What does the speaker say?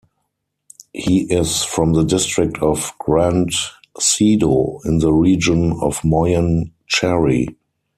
He is from the district of Grande Sido in the region of Moyen Chari.